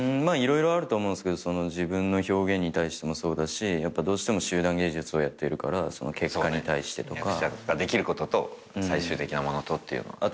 まあ色々あると思うんすけど自分の表現に対してもそうだしやっぱどうしても集団芸術をやっているからその結果に対してとか。役者ができることと最終的なものとっていうの。